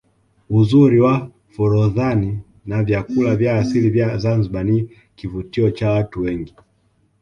uzuri wa forodhani na vyakula vya asili vya Zanzibar ni kivutio cha watu wengi